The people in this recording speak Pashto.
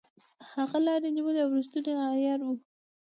هغه لاري نیولې او ریښتونی عیار وو.